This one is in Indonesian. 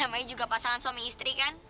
namanya juga pasangan suami istri kan